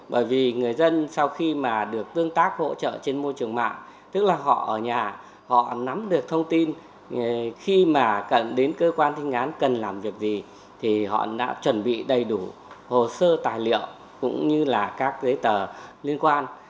bởi vì người dân sau khi mà được tương tác hỗ trợ trên môi trường mạng tức là họ ở nhà họ nắm được thông tin khi mà đến cơ quan thanh án cần làm việc gì thì họ đã chuẩn bị đầy đủ hồ sơ tài liệu cũng như là các giấy tờ liên quan